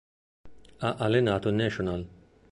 Ha allenato il Nacional.